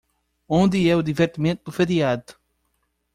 Onde é o divertimento do feriado?